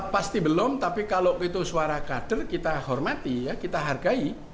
pasti belum tapi kalau itu suara kader kita hormati ya kita hargai